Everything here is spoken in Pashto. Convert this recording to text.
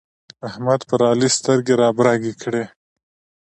احمد پر علي سترګې رابرګې کړې.